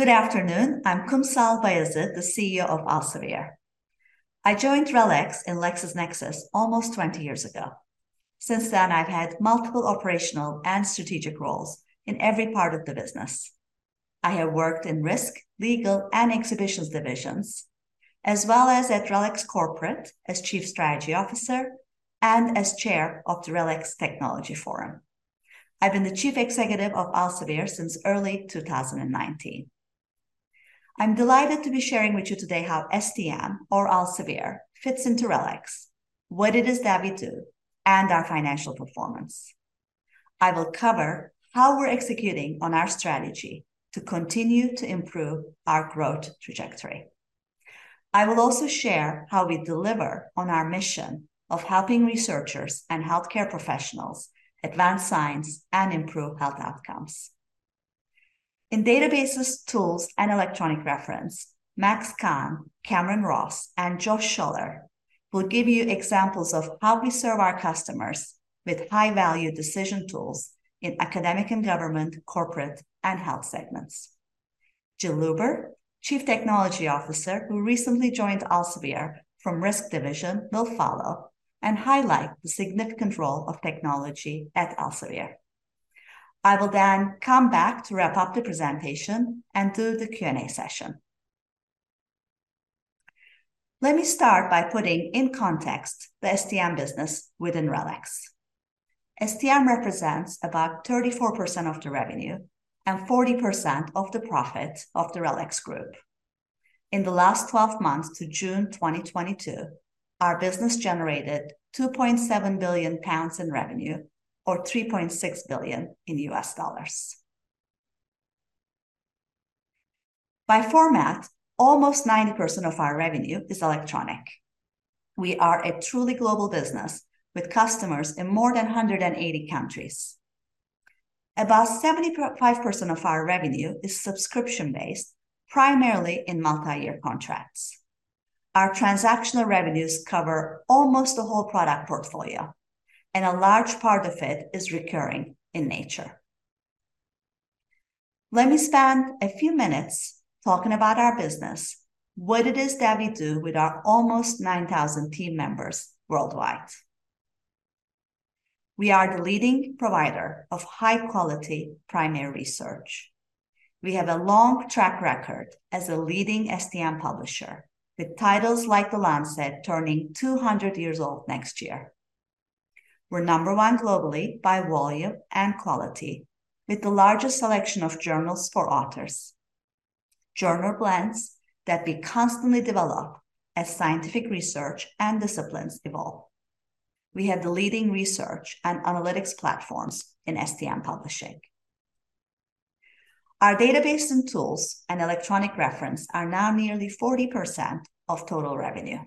Good afternoon. I'm Kumsal Bayazit, the CEO of Elsevier. I joined RELX and LexisNexis almost 20 years ago. Since then, I've had multiple operational and strategic roles in every part of the business. I have worked in risk, legal, and exhibitions divisions, as well as at RELX Corporate as chief strategy officer and as chair of the RELX Technology Forum. I've been the chief executive of Elsevier since early 2019. I'm delighted to be sharing with you today how STM or Elsevier fits into RELX, what it is that we do, and our financial performance. I will cover how we're executing on our strategy to continue to improve our growth trajectory. I will also share how we deliver on our mission of helping researchers and healthcare professionals advance science and improve health outcomes. In databases, tools, and electronic reference, Maxim Khan, Cameron Ross, and Josh Schoeller will give you examples of how we serve our customers with high-value decision tools in academic and government, corporate, and health segments. Jill Luber, Chief Technology Officer, who recently joined Elsevier from Risk Division, will follow and highlight the significant role of technology at Elsevier. I will then come back to wrap up the presentation and do the Q&A session. Let me start by putting in context the STM business within RELX. STM represents about 34% of the revenue and 40% of the profit of the RELX Group. In the last twelve months to June 2022, our business generated 2.7 billion pounds in revenue or $3.6 billion. By format, almost 90% of our revenue is electronic. We are a truly global business with customers in more than 180 countries. About 75% of our revenue is subscription-based, primarily in multi-year contracts. Our transactional revenues cover almost the whole product portfolio, and a large part of it is recurring in nature. Let me spend a few minutes talking about our business, what it is that we do with our almost 9,000 team members worldwide. We are the leading provider of high-quality primary research. We have a long track record as a leading STM publisher, with titles like The Lancet turning 200 years old next year. We're number one globally by volume and quality, with the largest selection of journals for authors. Journal blends that we constantly develop as scientific research and disciplines evolve. We have the leading research and analytics platforms in STM publishing. Our database and tools and electronic reference are now nearly 40% of total revenue.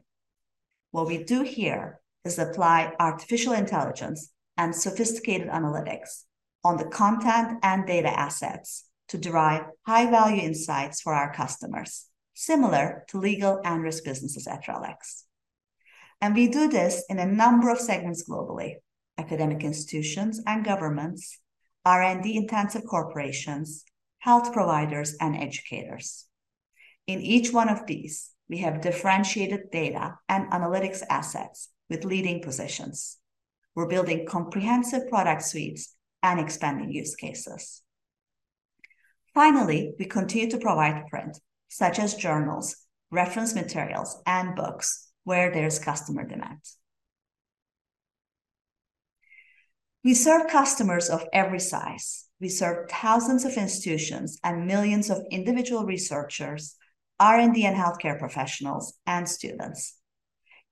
What we do here is apply artificial intelligence and sophisticated analytics on the content and data assets to derive high-value insights for our customers, similar to legal and risk businesses at RELX. We do this in a number of segments globally, academic institutions and governments, R&D intensive corporations, health providers, and educators. In each one of these, we have differentiated data and analytics assets with leading positions. We're building comprehensive product suites and expanding use cases. Finally, we continue to provide print, such as journals, reference materials, and books where there's customer demand. We serve customers of every size. We serve thousands of institutions and millions of individual researchers, R&D and healthcare professionals, and students.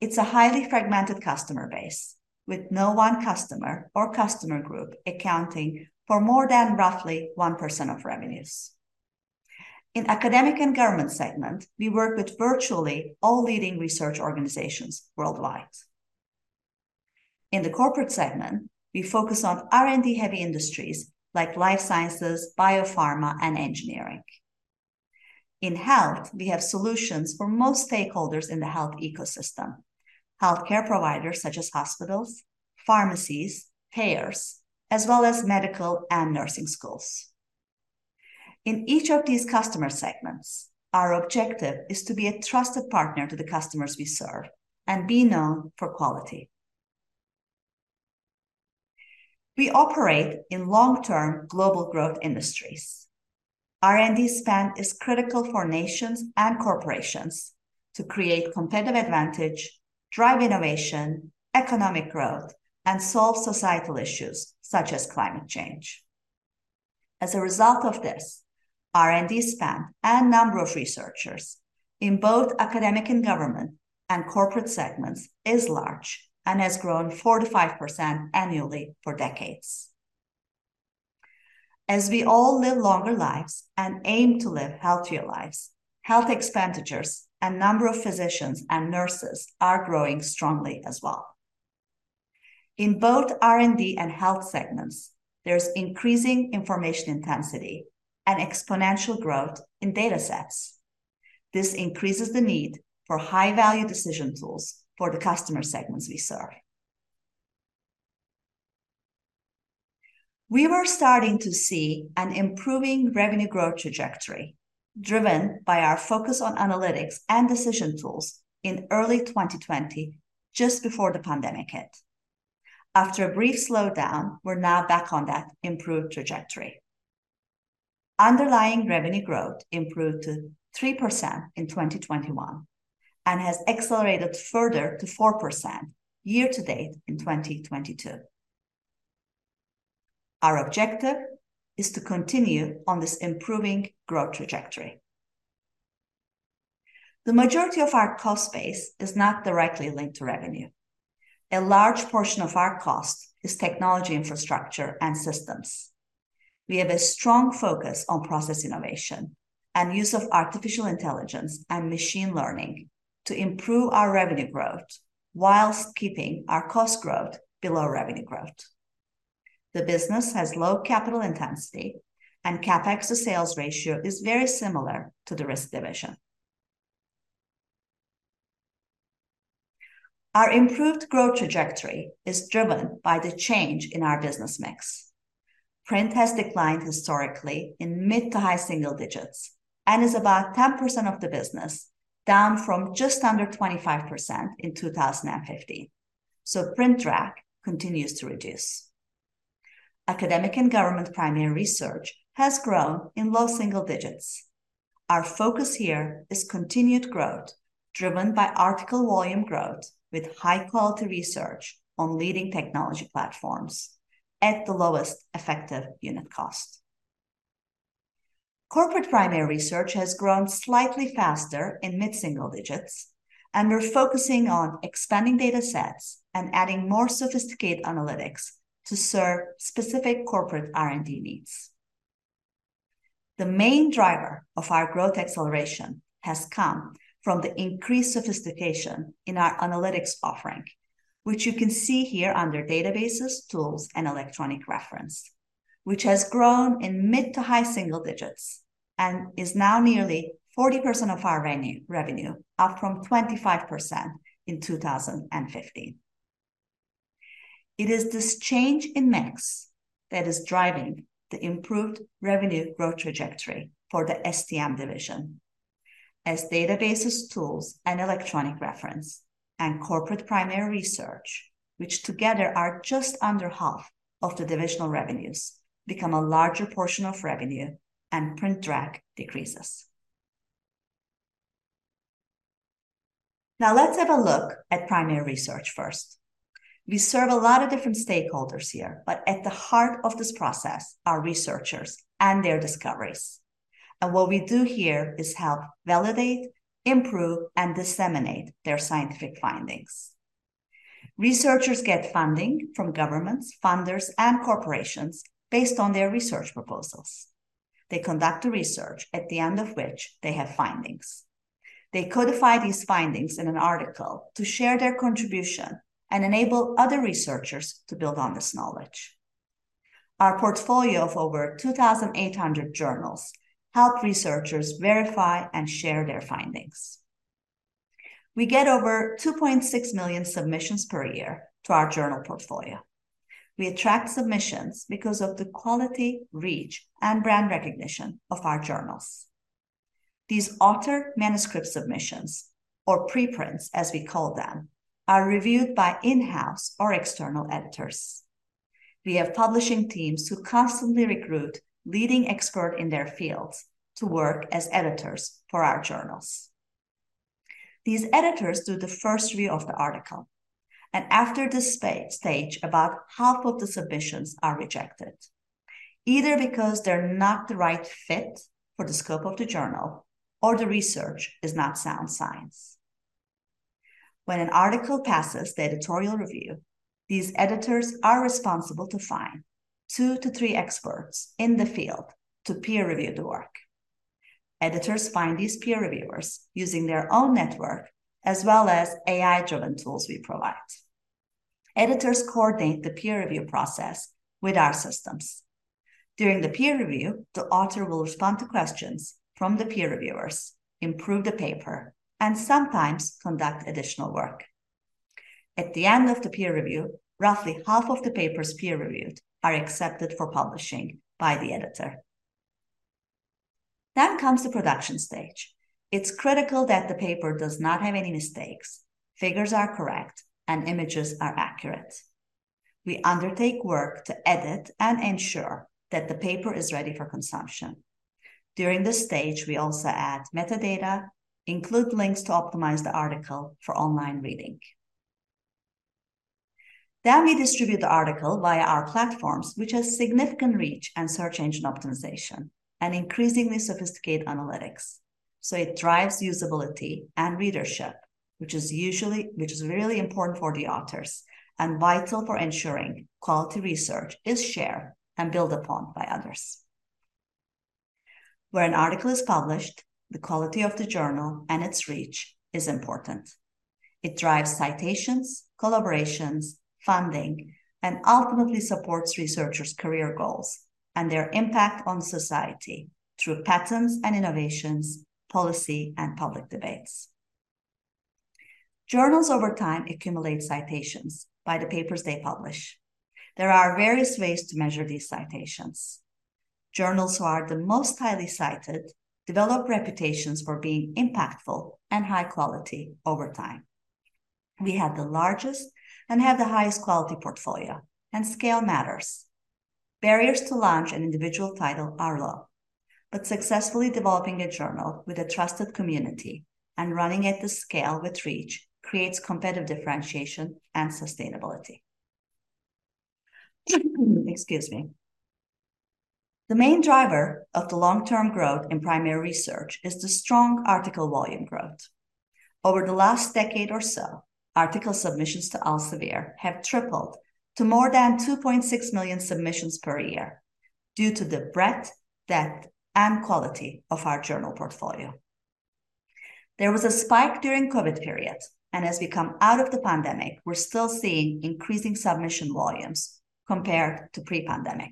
It's a highly fragmented customer base with no one customer or customer group accounting for more than roughly 1% of revenues. In academic and government segment, we work with virtually all leading research organizations worldwide. In the corporate segment, we focus on R&D heavy industries like life sciences, biopharma, and engineering. In health, we have solutions for most stakeholders in the health ecosystem, healthcare providers such as hospitals, pharmacies, payers, as well as medical and nursing schools. In each of these customer segments, our objective is to be a trusted partner to the customers we serve and be known for quality. We operate in long-term global growth industries. R&D spend is critical for nations and corporations to create competitive advantage, drive innovation, economic growth, and solve societal issues such as climate change. As a result of this, R&D spend and number of researchers in both academic and government and corporate segments is large and has grown 4%-5% annually for decades. As we all live longer lives and aim to live healthier lives, health expenditures and number of physicians and nurses are growing strongly as well. In both R&D and health segments, there's increasing information intensity and exponential growth in data sets. This increases the need for high-value decision tools for the customer segments we serve. We were starting to see an improving revenue growth trajectory driven by our focus on analytics and decision tools in early 2020, just before the pandemic hit. After a brief slowdown, we're now back on that improved trajectory. Underlying revenue growth improved to 3% in 2021 and has accelerated further to 4% year to date in 2022. Our objective is to continue on this improving growth trajectory. The majority of our cost base is not directly linked to revenue. A large portion of our cost is technology infrastructure and systems. We have a strong focus on process innovation and use of artificial intelligence and machine learning to improve our revenue growth while keeping our cost growth below revenue growth. The business has low capital intensity, and CapEx to sales ratio is very similar to the Risk division. Our improved growth trajectory is driven by the change in our business mix. Print has declined historically in mid- to high-single digits and is about 10% of the business, down from just under 25% in 2015. Print drag continues to reduce. Academic and government primary research has grown in low single digits. Our focus here is continued growth driven by article volume growth with high-quality research on leading technology platforms at the lowest effective unit cost. Corporate primary research has grown slightly faster in mid-single digits%, and we're focusing on expanding data sets and adding more sophisticated analytics to serve specific corporate R&D needs. The main driver of our growth acceleration has come from the increased sophistication in our analytics offering, which you can see here under databases, tools, and electronic reference, which has grown in mid- to high-single digits% and is now nearly 40% of our revenue, up from 25% in 2015. It is this change in mix that is driving the improved revenue growth trajectory for the STM division as databases, tools, and electronic reference and corporate primary research, which together are just under half of the divisional revenues, become a larger portion of revenue and print drag decreases. Now let's have a look at primary research first. We serve a lot of different stakeholders here, but at the heart of this process are researchers and their discoveries. What we do here is help validate, improve, and disseminate their scientific findings. Researchers get funding from governments, funders, and corporations based on their research proposals. They conduct the research at the end of which they have findings. They codify these findings in an article to share their contribution and enable other researchers to build on this knowledge. Our portfolio of over 2,800 journals help researchers verify and share their findings. We get over 2.6 million submissions per year to our journal portfolio. We attract submissions because of the quality, reach, and brand recognition of our journals. These author manuscript submissions, or preprints, as we call them, are reviewed by in-house or external editors. We have publishing teams who constantly recruit leading expert in their fields to work as editors for our journals. These editors do the first review of the article, and after this stage, about half of the submissions are rejected, either because they're not the right fit for the scope of the journal or the research is not sound science. When an article passes the editorial review, these editors are responsible to find two to three experts in the field to peer review the work. Editors find these peer reviewers using their own network as well as AI-driven tools we provide. Editors coordinate the peer review process with our systems. During the peer review, the author will respond to questions from the peer reviewers, improve the paper, and sometimes conduct additional work. At the end of the peer review, roughly half of the papers peer reviewed are accepted for publishing by the editor. The production stage comes. It's critical that the paper does not have any mistakes, figures are correct, and images are accurate. We undertake work to edit and ensure that the paper is ready for consumption. During this stage, we also add metadata, include links to optimize the article for online reading. We distribute the article via our platforms, which has significant reach and search engine optimization and increasingly sophisticated analytics, so it drives usability and readership, which is really important for the authors and vital for ensuring quality research is shared and built upon by others. Where an article is published, the quality of the journal and its reach is important. It drives citations, collaborations, funding, and ultimately supports researchers' career goals and their impact on society through patents and innovations, policy, and public debates. Journals over time accumulate citations by the papers they publish. There are various ways to measure these citations. Journals who are the most highly cited develop reputations for being impactful and high quality over time. We have the largest and have the highest quality portfolio, and scale matters. Barriers to launch an individual title are low, but successfully developing a journal with a trusted community and running at the scale with reach creates competitive differentiation and sustainability. Excuse me. The main driver of the long-term growth in primary research is the strong article volume growth. Over the last decade or so, article submissions to Elsevier have tripled to more than 2.6 million submissions per year due to the breadth, depth, and quality of our journal portfolio. There was a spike during COVID period, and as we come out of the pandemic, we're still seeing increasing submission volumes compared to pre-pandemic.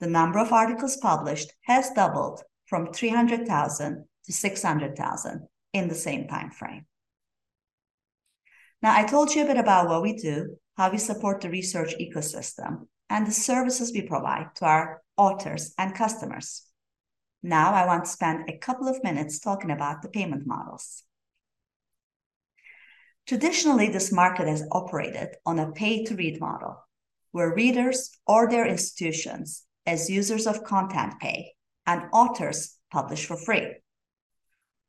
The number of articles published has doubled from 300,000 to 600,000 in the same time frame. Now, I told you a bit about what we do, how we support the research ecosystem, and the services we provide to our authors and customers. Now, I want to spend a couple of minutes talking about the payment models. Traditionally, this market has operated on a pay-to-read model, where readers or their institutions as users of content pay and authors publish for free.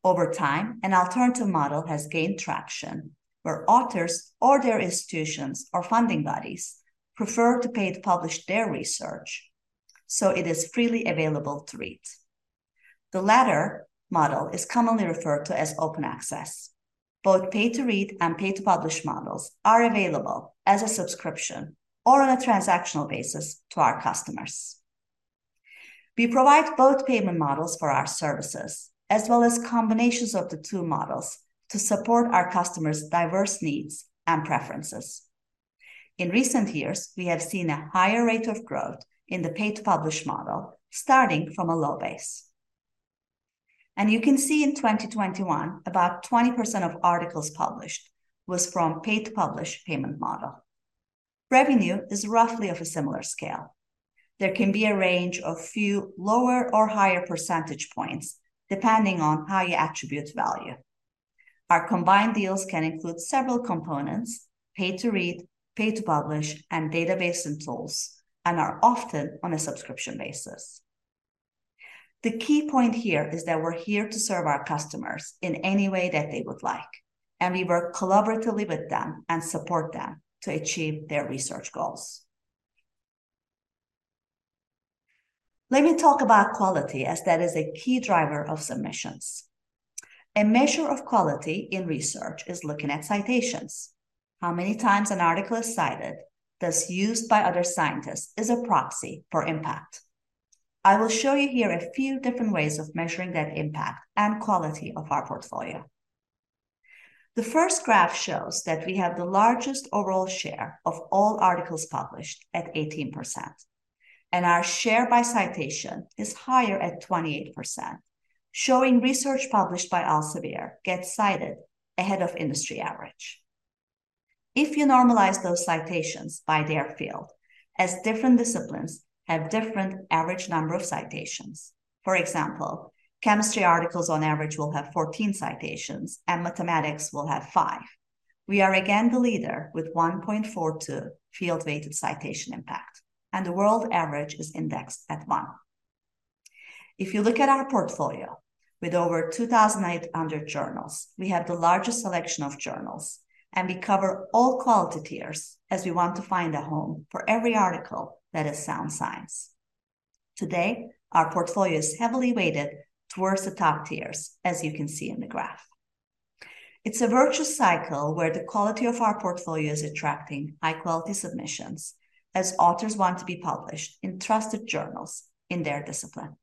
Over time, an alternative model has gained traction, where authors or their institutions or funding bodies prefer to pay to publish their research, so it is freely available to read. The latter model is commonly referred to as open access. Both pay-to-read and pay-to-publish models are available as a subscription or on a transactional basis to our customers. We provide both payment models for our services, as well as combinations of the two models to support our customers' diverse needs and preferences. In recent years, we have seen a higher rate of growth in the pay-to-publish model, starting from a low base. You can see in 2021, about 20% of articles published was from pay-to-publish payment model. Revenue is roughly of a similar scale. There can be a range of few lower or higher percentage points depending on how you attribute value. Our combined deals can include several components, pay-to-read, pay-to-publish, and database and tools, and are often on a subscription basis. The key point here is that we're here to serve our customers in any way that they would like, and we work collaboratively with them and support them to achieve their research goals. Let me talk about quality as that is a key driver of submissions. A measure of quality in research is looking at citations. How many times an article is cited, thus used by other scientists, is a proxy for impact. I will show you here a few different ways of measuring that impact and quality of our portfolio. The first graph shows that we have the largest overall share of all articles published at 18%, and our share by citation is higher at 28%, showing research published by Elsevier gets cited ahead of industry average. If you normalize those citations by their field, as different disciplines have different average number of citations, for example, chemistry articles on average will have 14 citations and mathematics will have five, we are again the leader with 1.42 Field-Weighted Citation Impact, and the world average is indexed at one. If you look at our portfolio with over 2,800 journals, we have the largest selection of journals, and we cover all quality tiers as we want to find a home for every article that is sound science. Today, our portfolio is heavily weighted towards the top tiers, as you can see in the graph. It's a virtuous cycle where the quality of our portfolio is attracting high-quality submissions as authors want to be published in trusted journals in their discipline.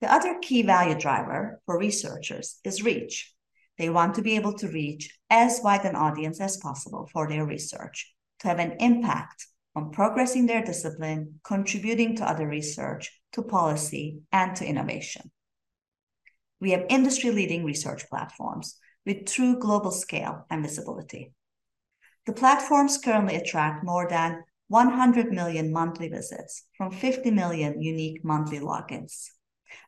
The other key value driver for researchers is reach. They want to be able to reach as wide an audience as possible for their research to have an impact on progressing their discipline, contributing to other research, to policy, and to innovation. We have industry-leading research platforms with true global scale and visibility. The platforms currently attract more than 100 million monthly visits from 50 million unique monthly logins,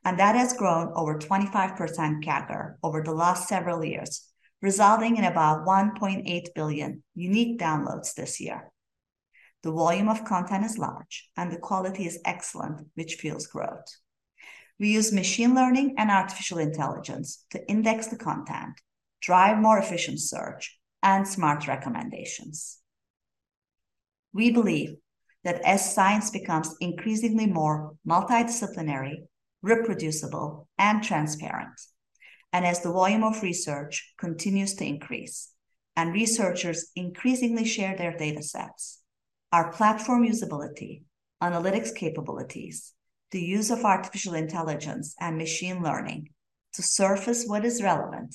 and that has grown over 25% CAGR over the last several years, resulting in about 1.8 billion unique downloads this year. The volume of content is large, and the quality is excellent, which fuels growth. We use machine learning and artificial intelligence to index the content, drive more efficient search, and smart recommendations. We believe that as science becomes increasingly more multidisciplinary, reproducible, and transparent, and as the volume of research continues to increase and researchers increasingly share their datasets, our platform usability, analytics capabilities, the use of artificial intelligence and machine learning to surface what is relevant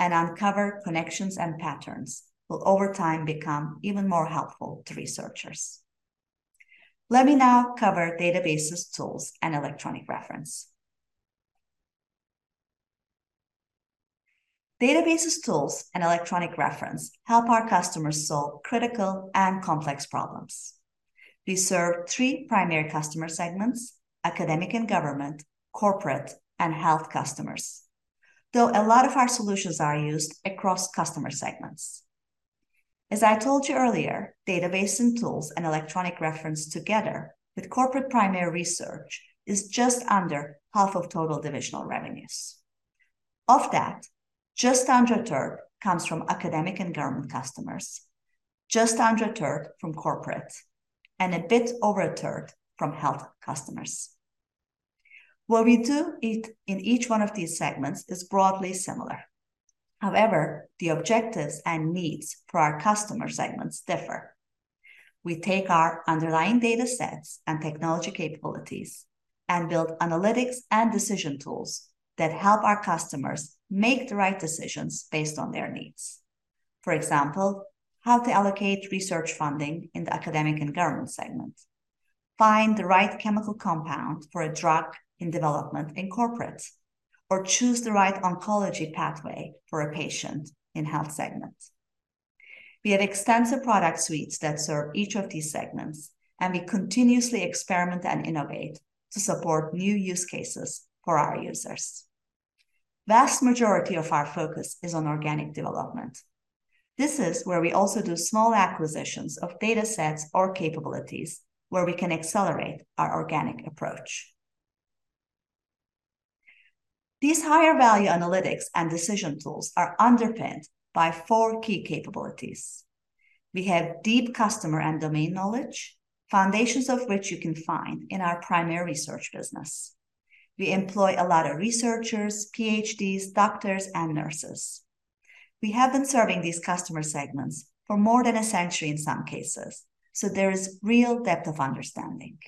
and uncover connections and patterns will over time become even more helpful to researchers. Let me now cover databases, tools, and electronic reference. Databases, tools, and electronic reference help our customers solve critical and complex problems. We serve three primary customer segments: academic and government, corporate, and health customers, though a lot of our solutions are used across customer segments. As I told you earlier, database and tools and electronic reference together with corporate primary research is just under half of total divisional revenues. Of that, just under a third comes from academic and government customers, just under a third from corporate, and a bit over a third from health customers. What we do in each one of these segments is broadly similar. However, the objectives and needs for our customer segments differ. We take our underlying data sets and technology capabilities and build analytics and decision tools that help our customers make the right decisions based on their needs. For example, how to allocate research funding in the academic and government segment, find the right chemical compound for a drug in development in corporate, or choose the right oncology pathway for a patient in health segment. We have extensive product suites that serve each of these segments, and we continuously experiment and innovate to support new use cases for our users. Vast majority of our focus is on organic development. This is where we also do small acquisitions of data sets or capabilities where we can accelerate our organic approach. These higher value analytics and decision tools are underpinned by four key capabilities. We have deep customer and domain knowledge, foundations of which you can find in our primary research business. We employ a lot of researchers, PhDs, doctors, and nurses. We have been serving these customer segments for more than a century in some cases, so there is real depth of understanding.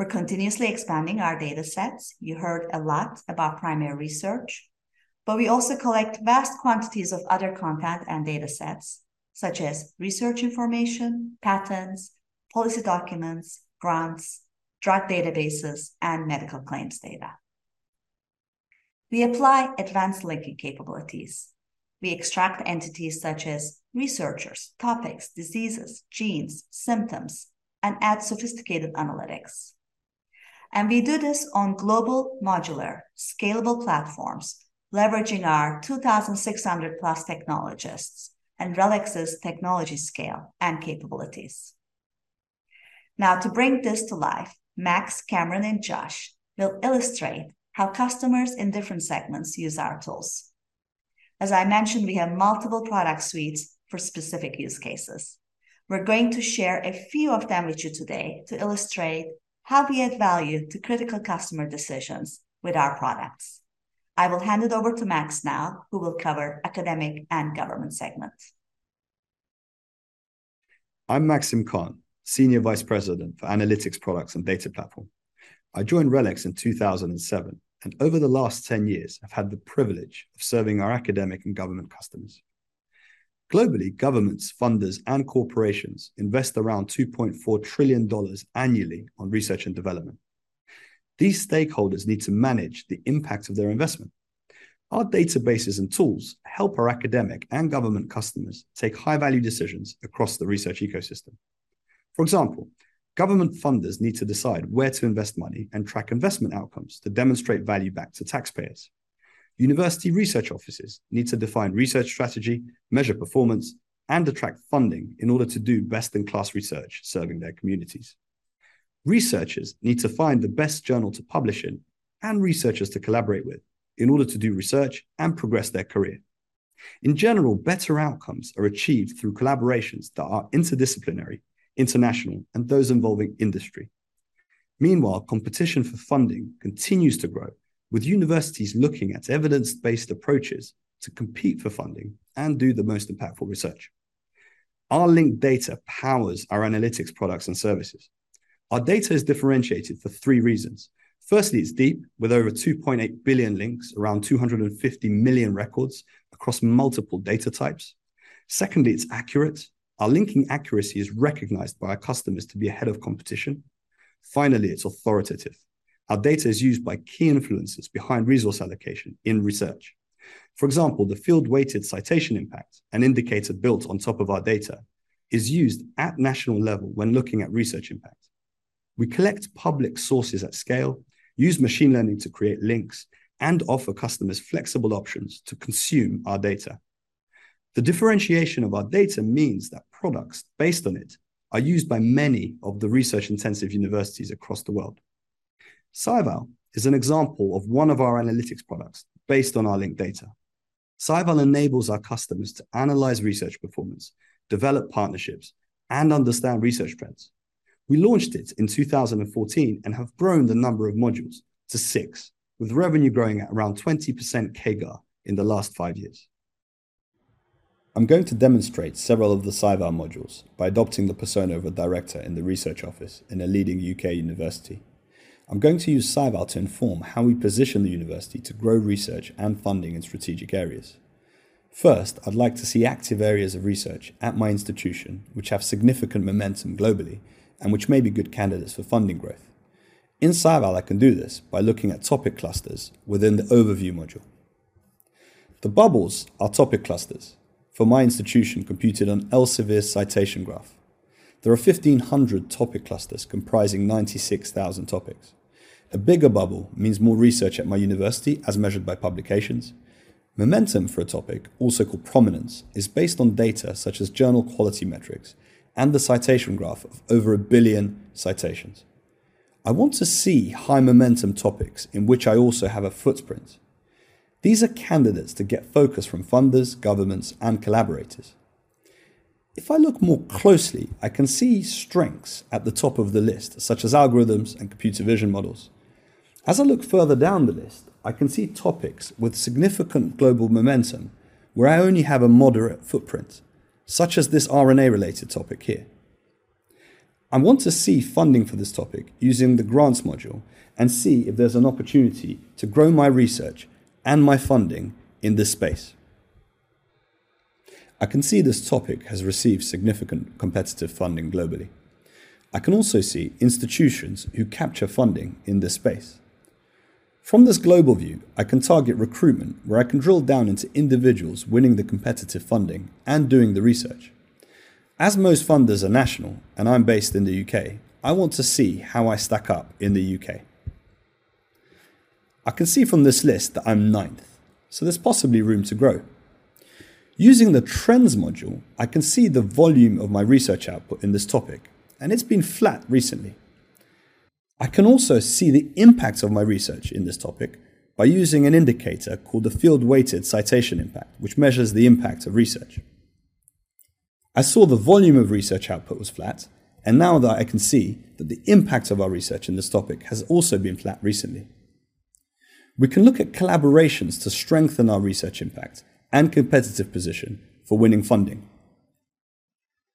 We're continuously expanding our data sets. You heard a lot about primary research, but we also collect vast quantities of other content and data sets, such as research information, patents, policy documents, grants, drug databases, and medical claims data. We apply advanced linking capabilities. We extract entities such as researchers, topics, diseases, genes, symptoms, and add sophisticated analytics, and we do this on global, modular, scalable platforms, leveraging our 2,600+ technologists and RELX's technology scale and capabilities. Now, to bring this to life, Max, Cameron, and Josh will illustrate how customers in different segments use our tools. As I mentioned, we have multiple product suites for specific use cases. We're going to share a few of them with you today to illustrate how we add value to critical customer decisions with our products. I will hand it over to Max now, who will cover academic and government segments. I'm Maxim Khan, Senior Vice President for Analytics Products and Data Platform. I joined RELX in 2007, and over the last 10 years, I've had the privilege of serving our academic and government customers. Globally, governments, funders, and corporations invest around $2.4 trillion annually on research and development. These stakeholders need to manage the impact of their investment. Our databases and tools help our academic and government customers take high-value decisions across the research ecosystem. For example, government funders need to decide where to invest money and track investment outcomes to demonstrate value back to taxpayers. University research offices need to define research strategy, measure performance, and attract funding in order to do best-in-class research serving their communities. Researchers need to find the best journal to publish in and researchers to collaborate with in order to do research and progress their career. In general, better outcomes are achieved through collaborations that are interdisciplinary, international, and those involving industry. Meanwhile, competition for funding continues to grow, with universities looking at evidence-based approaches to compete for funding and do the most impactful research. Our linked data powers our analytics products and services. Our data is differentiated for three reasons. Firstly, it's deep, with over 2.8 billion links, around 250 million records across multiple data types. Secondly, it's accurate. Our linking accuracy is recognized by our customers to be ahead of competition. Finally, it's authoritative. Our data is used by key influencers behind resource allocation in research. For example, the Field-Weighted Citation Impact, an indicator built on top of our data, is used at national level when looking at research impact. We collect public sources at scale, use machine learning to create links, and offer customers flexible options to consume our data. The differentiation of our data means that products based on it are used by many of the research-intensive universities across the world. SciVal is an example of one of our analytics products based on our linked data. SciVal enables our customers to analyze research performance, develop partnerships, and understand research trends. We launched it in 2014 and have grown the number of modules to six, with revenue growing at around 20% CAGR in the last five years. I'm going to demonstrate several of the SciVal modules by adopting the persona of a director in the research office in a leading UK university. I'm going to use SciVal to inform how we position the university to grow research and funding in strategic areas. First, I'd like to see active areas of research at my institution which have significant momentum globally and which may be good candidates for funding growth. In SciVal, I can do this by looking at topic clusters within the overview module. The bubbles are topic clusters for my institution computed on Elsevier's citation graph. There are 1,500 topic clusters comprising 96,000 topics. A bigger bubble means more research at my university as measured by publications. Momentum for a topic, also called prominence, is based on data such as journal quality metrics and the citation graph of over 1 billion citations. I want to see high momentum topics in which I also have a footprint. These are candidates to get focus from funders, governments, and collaborators. If I look more closely, I can see strengths at the top of the list, such as algorithms and computer vision models. As I look further down the list, I can see topics with significant global momentum where I only have a moderate footprint, such as this RNA-related topic here. I want to see funding for this topic using the grants module and see if there's an opportunity to grow my research and my funding in this space. I can see this topic has received significant competitive funding globally. I can also see institutions who capture funding in this space. From this global view, I can target recruitment where I can drill down into individuals winning the competitive funding and doing the research. As most funders are national and I'm based in the U.K., I want to see how I stack up in the U.K. I can see from this list that I'm ninth, so there's possibly room to grow. Using the trends module, I can see the volume of my research output in this topic, and it's been flat recently. I can also see the impact of my research in this topic by using an indicator called the Field-Weighted Citation Impact, which measures the impact of research. I saw the volume of research output was flat, and now that I can see that the impact of our research in this topic has also been flat recently. We can look at collaborations to strengthen our research impact and competitive position for winning funding.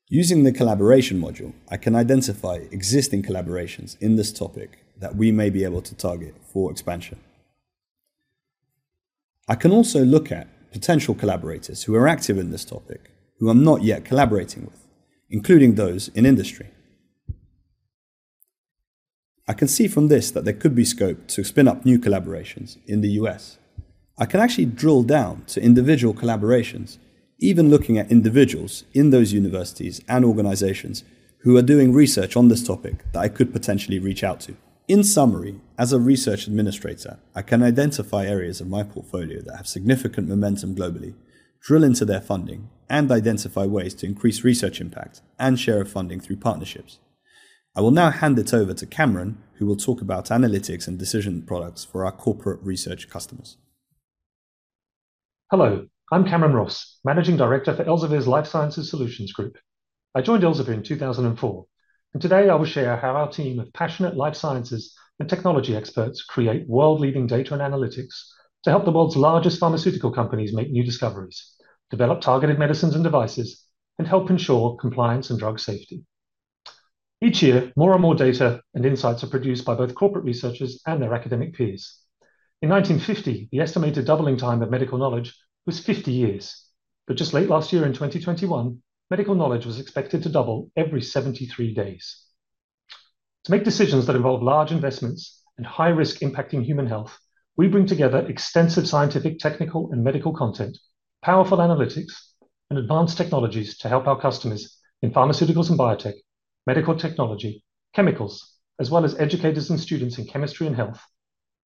Using the collaboration module, I can identify existing collaborations in this topic that we may be able to target for expansion. I can also look at potential collaborators who are active in this topic who I'm not yet collaborating with, including those in industry. I can see from this that there could be scope to spin up new collaborations in the U.S. I can actually drill down to individual collaborations, even looking at individuals in those universities and organizations who are doing research on this topic that I could potentially reach out to. In summary, as a research administrator, I can identify areas of my portfolio that have significant momentum globally, drill into their funding, and identify ways to increase research impact and share funding through partnerships. I will now hand it over to Cameron, who will talk about analytics and decision products for our corporate research customers. Hello, I'm Cameron Ross, Managing Director for Elsevier's Life Sciences Solutions Group. I joined Elsevier in 2004, and today I will share how our team of passionate life sciences and technology experts create world-leading data and analytics to help the world's largest pharmaceutical companies make new discoveries, develop targeted medicines and devices, and help ensure compliance and drug safety. Each year, more and more data and insights are produced by both corporate researchers and their academic peers. In 1950, the estimated doubling time of medical knowledge was 50 years. Just last year in 2021, medical knowledge was expected to double every 73 days. To make decisions that involve large investments and high risk impacting human health, we bring together extensive scientific, technical, and medical content, powerful analytics and advanced technologies to help our customers in pharmaceuticals and biotech, medical technology, chemicals, as well as educators and students in chemistry and health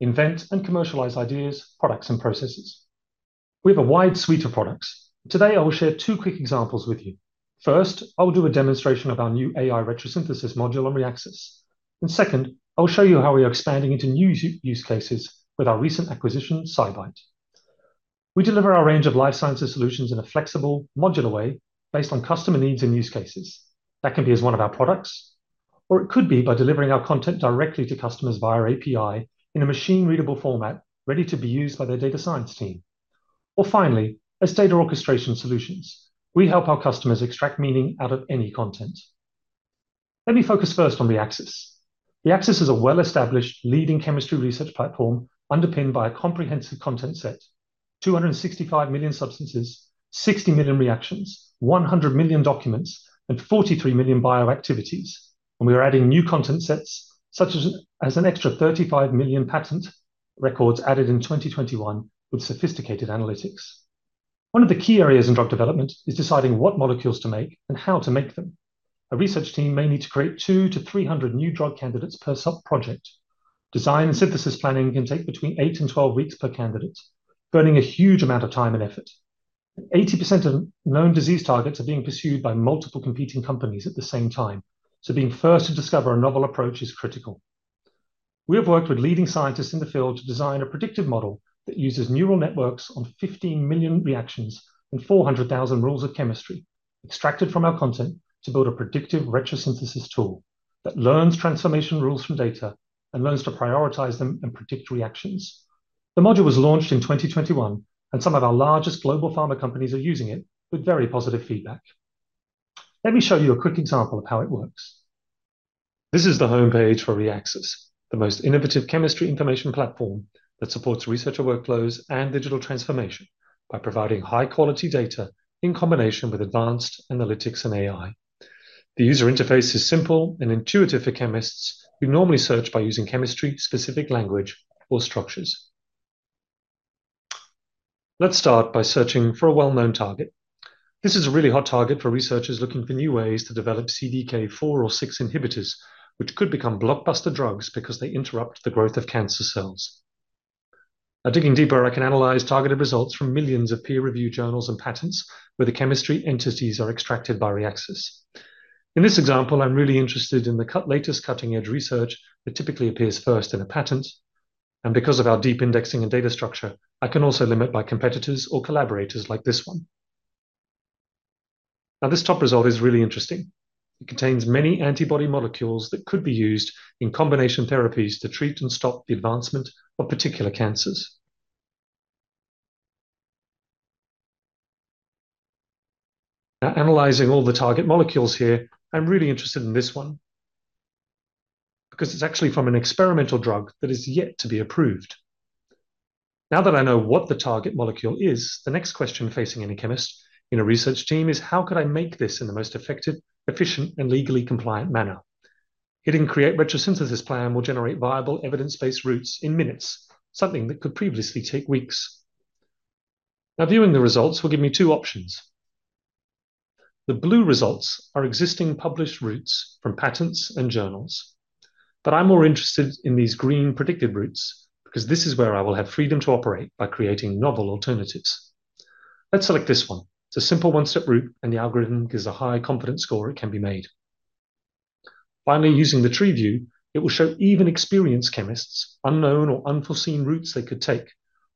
invent and commercialize ideas, products, and processes. We have a wide suite of products. Today, I will share two quick examples with you. First, I will do a demonstration of our new AI retrosynthesis module on Reaxys. Second, I will show you how we are expanding into new use cases with our recent acquisition, SciBite. We deliver our range of life sciences solutions in a flexible, modular way based on customer needs and use cases. That can be as one of our products, or it could be by delivering our content directly to customers via API in a machine-readable format ready to be used by their data science team. Or finally, as data orchestration solutions, we help our customers extract meaning out of any content. Let me focus first on Reaxys. Reaxys is a well-established leading chemistry research platform underpinned by a comprehensive content set, 265 million substances, 60 million reactions, 100 million documents, and 43 million bio activities. We are adding new content sets, such as an extra 35 million patent records added in 2021 with sophisticated analytics. One of the key areas in drug development is deciding what molecules to make and how to make them. A research team may need to create 200-300 new drug candidates per sub-project. Design and synthesis planning can take between eight and 12 weeks per candidate, burning a huge amount of time and effort. 80% of known disease targets are being pursued by multiple competing companies at the same time, so being first to discover a novel approach is critical. We have worked with leading scientists in the field to design a predictive model that uses neural networks on 15 million reactions and 400,000 rules of chemistry extracted from our content to build a predictive retrosynthesis tool that learns transformation rules from data and learns to prioritize them and predict reactions. The module was launched in 2021, and some of our largest global pharma companies are using it with very positive feedback. Let me show you a quick example of how it works. This is the homepage for Reaxys, the most innovative chemistry information platform that supports researcher workflows and digital transformation by providing high-quality data in combination with advanced analytics and AI. The user interface is simple and intuitive for chemists who normally search by using chemistry-specific language or structures. Let's start by searching for a well-known target. This is a really hot target for researchers looking for new ways to develop CDK4/6 inhibitors, which could become blockbuster drugs because they interrupt the growth of cancer cells. By digging deeper, I can analyze targeted results from millions of peer-reviewed journals and patents where the chemistry entities are extracted by Reaxys. In this example, I'm really interested in the latest cutting-edge research that typically appears first in a patent, and because of our deep indexing and data structure, I can also limit by competitors or collaborators like this one. Now, this top result is really interesting. It contains many antibody molecules that could be used in combination therapies to treat and stop the advancement of particular cancers. Now, analyzing all the target molecules here, I'm really interested in this one because it's actually from an experimental drug that is yet to be approved. Now that I know what the target molecule is, the next question facing any chemist in a research team is, "How could I make this in the most effective, efficient, and legally compliant manner?" Hitting Create Retrosynthesis Plan will generate viable evidence-based routes in minutes, something that could previously take weeks. Now, viewing the results will give me two options. The blue results are existing published routes from patents and journals, but I'm more interested in these green predicted routes because this is where I will have freedom to operate by creating novel alternatives. Let's select this one. It's a simple one-step route, and the algorithm gives a high confidence score it can be made. Finally, using the tree view, it will show even experienced chemists unknown or unforeseen routes they could take,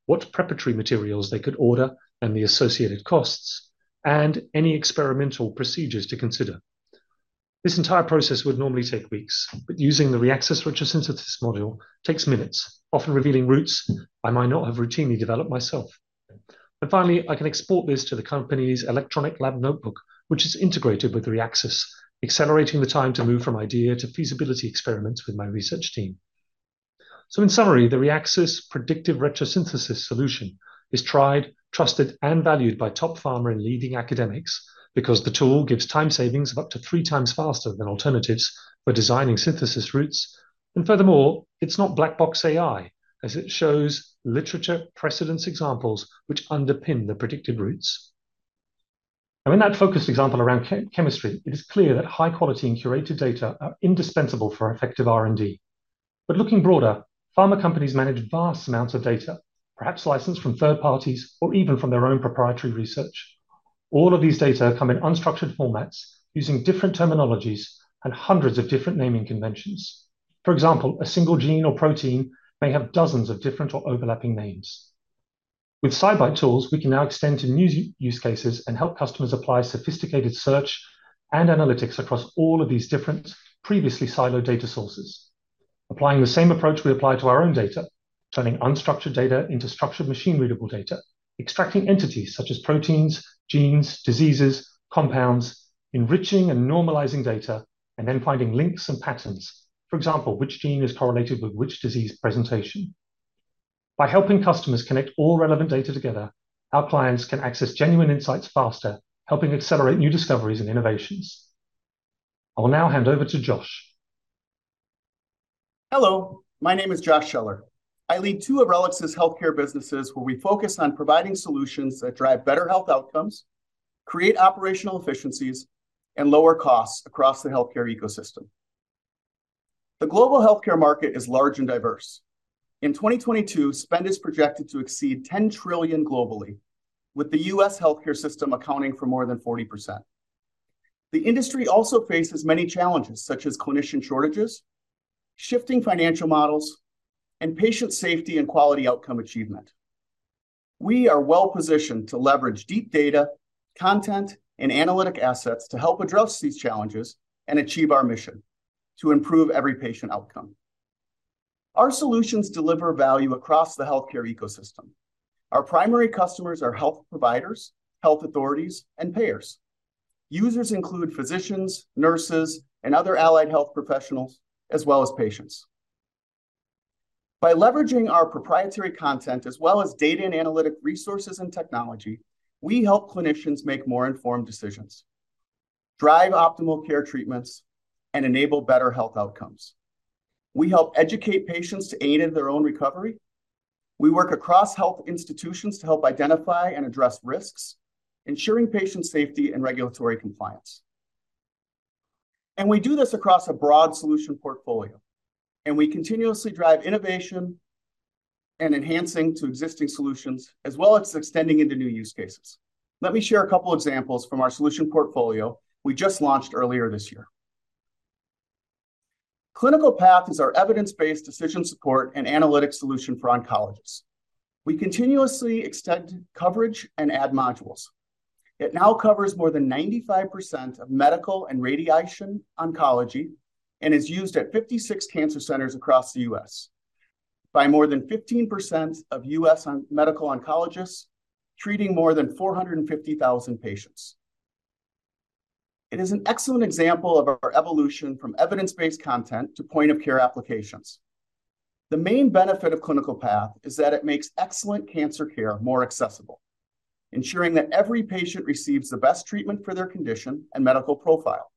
what preparatory materials they could order and the associated costs, and any experimental procedures to consider. This entire process would normally take weeks, but using the Reaxys Predictive Retrosynthesis module takes minutes, often revealing routes I might not have routinely developed myself. Finally, I can export this to the company's electronic lab notebook, which is integrated with Reaxys, accelerating the time to move from idea to feasibility experiments with my research team. In summary, the Reaxys Predictive Retrosynthesis solution is tried, trusted, and valued by top pharma and leading academics because the tool gives time savings of up to three times faster than alternatives for designing synthesis routes. Furthermore, it's not black box AI, as it shows literature precedence examples which underpin the predicted routes. Now, in that focused example around chemistry, it is clear that high quality and curated data are indispensable for effective R&D. Looking broader, pharma companies manage vast amounts of data, perhaps licensed from third parties or even from their own proprietary research. All of these data come in unstructured formats using different terminologies and hundreds of different naming conventions. For example, a single gene or protein may have dozens of different or overlapping names. With SciBite tools, we can now extend to new use cases and help customers apply sophisticated search and analytics across all of these different previously siloed data sources. Applying the same approach we apply to our own data, turning unstructured data into structured machine-readable data, extracting entities such as proteins, genes, diseases, compounds, enriching and normalizing data, and then finding links and patterns. For example, which gene is correlated with which disease presentation. By helping customers connect all relevant data together, our clients can access genuine insights faster, helping accelerate new discoveries and innovations. I will now hand over to Josh. Hello, my name is Josh Schoeller. I lead two of RELX's healthcare businesses where we focus on providing solutions that drive better health outcomes, create operational efficiencies, and lower costs across the healthcare ecosystem. The global healthcare market is large and diverse. In 2022, spend is projected to exceed $10 trillion globally, with the U.S. healthcare system accounting for more than 40%. The industry also faces many challenges, such as clinician shortages, shifting financial models, and patient safety and quality outcome achievement. We are well-positioned to leverage deep data, content, and analytic assets to help address these challenges and achieve our mission to improve every patient outcome. Our solutions deliver value across the healthcare ecosystem. Our primary customers are health providers, health authorities, and payers. Users include physicians, nurses, and other allied health professionals, as well as patients. By leveraging our proprietary content as well as data and analytic resources and technology, we help clinicians make more informed decisions, drive optimal care treatments, and enable better health outcomes. We help educate patients to aid in their own recovery. We work across health institutions to help identify and address risks, ensuring patient safety and regulatory compliance. We do this across a broad solution portfolio, and we continuously drive innovation and enhancing to existing solutions as well as extending into new use cases. Let me share a couple examples from our solution portfolio we just launched earlier this year. ClinicalPath is our evidence-based decision support and analytics solution for oncologists. We continuously extend coverage and add modules. It now covers more than 95% of medical and radiation oncology and is used at 56 cancer centers across the U.S. By more than 15% of U.S. medical oncologists, treating more than 450,000 patients. It is an excellent example of our evolution from evidence-based content to point of care applications. The main benefit of ClinicalPath is that it makes excellent cancer care more accessible, ensuring that every patient receives the best treatment for their condition and medical profile.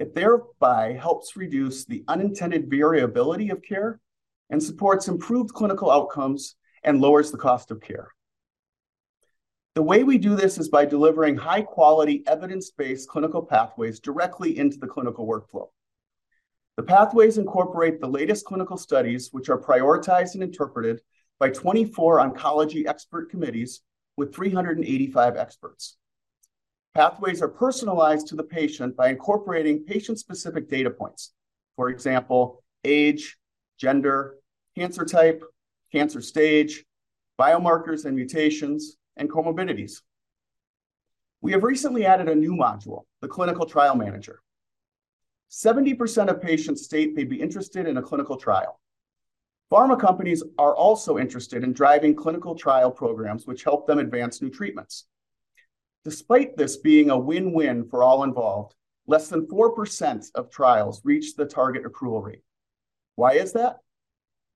It thereby helps reduce the unintended variability of care and supports improved clinical outcomes and lowers the cost of care. The way we do this is by delivering high quality, evidence-based clinical pathways directly into the clinical workflow. The pathways incorporate the latest clinical studies, which are prioritized and interpreted by 24 oncology expert committees with 385 experts. Pathways are personalized to the patient by incorporating patient specific data points, for example, age, gender, cancer type, cancer stage, biomarkers and mutations, and comorbidities. We have recently added a new module, the Clinical Trial Manager. 70% of patients state they'd be interested in a clinical trial. Pharma companies are also interested in driving clinical trial programs which help them advance new treatments. Despite this being a win-win for all involved, less than 4% of trials reach the target accrual rate. Why is that?